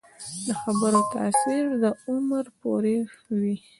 د خبرو تاثیر د عمر پورې وي